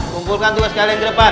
kumpulkan dulu yang sebenarnya di depan